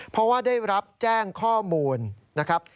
เพราะว่าได้รับแจ้งข้อมูลนะครับ